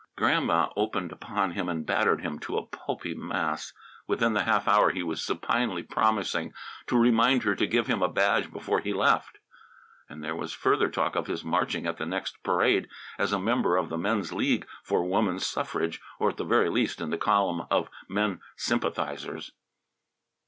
Grandma opened upon him and battered him to a pulpy mass. Within the half hour he was supinely promising to remind her to give him a badge before he left; and there was further talk of his marching at the next parade as a member of the Men's League for Woman's Suffrage, or, at the very least, in the column of Men Sympathizers.